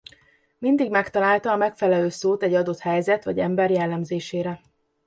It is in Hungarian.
Mindig megtalálta a megfelelő szót egy adott helyzet vagy ember jellemzésére.